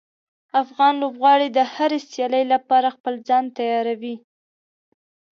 افغان لوبغاړي د هرې سیالۍ لپاره خپل ځان تیاروي.